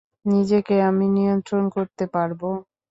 নিজেকে আমি নিয়ন্ত্রণ করতে পারবো।